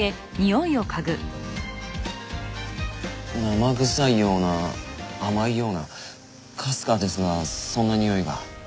生臭いような甘いようなかすかですがそんなにおいが。